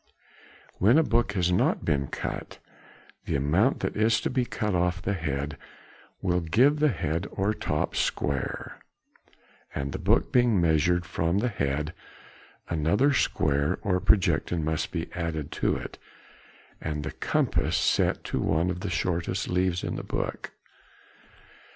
When a book has not been cut, the amount that is to be cut off the head will give the head or top square, and the book being measured from the head, another square or projection must be added to it, and the compass set to one of the shortest leaves in the book.